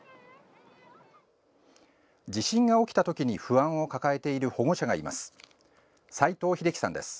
地震が起きたときに不安を抱えている保護者がいます。